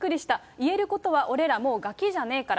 言えることは、俺ら、もうガキじゃねえから。